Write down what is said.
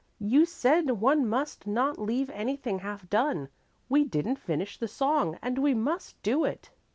You said one must not leave anything half done. We didn't finish the song and we must do it."